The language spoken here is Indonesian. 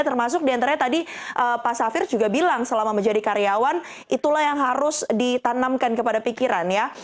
termasuk diantaranya tadi pak safir juga bilang selama menjadi karyawan itulah yang harus ditanamkan kepada pikiran ya